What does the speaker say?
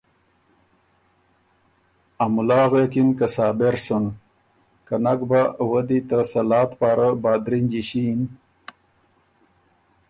ا مُلا غوېکِن که صابر سُن، که نک بۀ وۀ دی ته سلاد پاره بادرِنجی ݭین